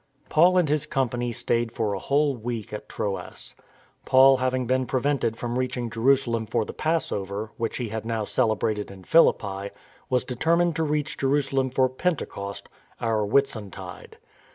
Paul and his company stayed for a whole week at Troas. Paul having been prevented from reach ing Jerusalem for the Passover, which he had now celebrated in Philippi, was determined to reach Jeru salem for Pentecost (our Whitsuntide).